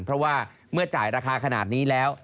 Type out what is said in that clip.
เพราะว่าเมื่อจ่ายราคาขนาดนี้แล้ว